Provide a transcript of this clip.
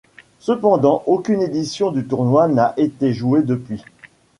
Cependant, aucune édition du tournoi n'a été jouée depuis.